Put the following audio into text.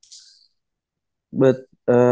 but kalo mungkin bahas dari gamenya dulu ya